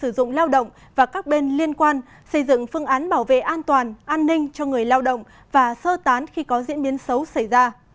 sử dụng lao động và các bên liên quan xây dựng phương án bảo vệ an toàn an ninh cho người lao động và sơ tán khi có diễn biến xấu xảy ra